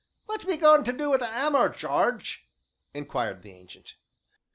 "What be goin' to du wi' 'ammer, Jarge?" inquired the Ancient.